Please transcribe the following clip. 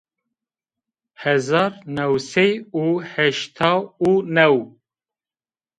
Hezar new sey û heştay û new